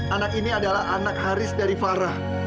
anak ini adalah anak haris dari farah